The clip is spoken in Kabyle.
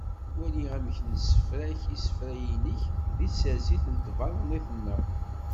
Wali amek ad nessefrek isefka yinek di tsertit n tbaḍnit-nneɣ.